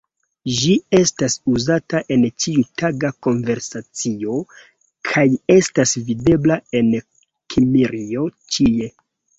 Ĝi estas uzata en ĉiutaga konversacio kaj estas videbla en Kimrio ĉie.